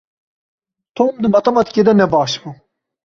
Tom di matematîkê de ne baş bû.